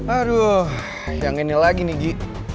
aduh yang ini lagi nih gi